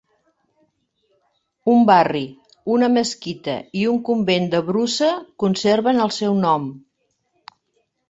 Un barri, una mesquita i un convent de Brusa conserven el seu nom.